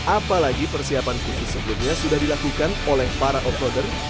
apalagi persiapan khusus sebelumnya sudah dilakukan oleh para offroader